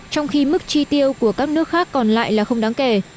trong khi mức chi tiêu của các nước khác còn lại là không đáng kể